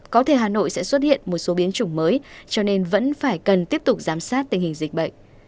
có thể hà nội sẽ xuất hiện một số biến chủng mới cho nên vẫn phải cần tiếp tục giám sát tình hình dịch bệnh